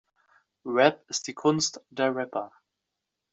Rap ist die Kunst der Rapper.